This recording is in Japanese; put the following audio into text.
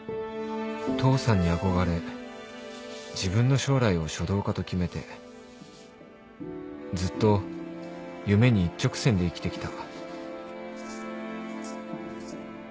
父さんに憧れ自分の将来を書道家と決めてずっと夢に一直線で生きてきた